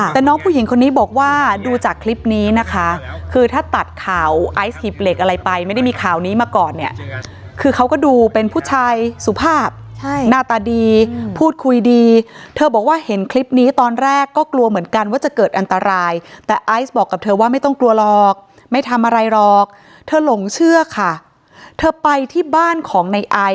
แต่น้องผู้หญิงคนนี้บอกว่าดูจากคลิปนี้นะคะคือถ้าตัดข่าวไอซ์หีบเหล็กอะไรไปไม่ได้มีข่าวนี้มาก่อนเนี่ยคือเขาก็ดูเป็นผู้ชายสุภาพใช่หน้าตาดีพูดคุยดีเธอบอกว่าเห็นคลิปนี้ตอนแรกก็กลัวเหมือนกันว่าจะเกิดอันตรายแต่ไอซ์บอกกับเธอว่าไม่ต้องกลัวหรอกไม่ทำอะไรหรอกเธอหลงเชื่อค่ะเธอไปที่บ้านของในไอซ